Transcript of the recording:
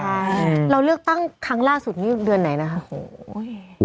ใช่เราเลือกตั้งครั้งล่าสุดนี่เดือนไหนนะคะโหย